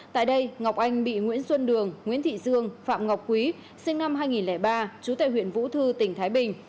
tại đây ngọc anh bị nguyễn xuân đường nguyễn thị dương phạm ngọc quý sinh năm hai nghìn ba trú tại huyện vũ thư tỉnh thái bình